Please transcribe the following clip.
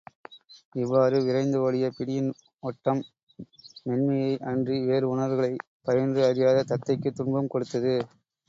இவ்வாறு விரைந்து ஓடிய பிடியின் ஒட்டம், மென்மையை அன்றி வேறு உணர்வுகளைப் பயின்று அறியாத தத்தைக்குத் துன்பம் கொடுத்தது.